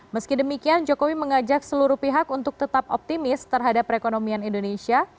meski demikian jokowi mengajak seluruh pihak untuk tetap optimis terhadap perekonomian indonesia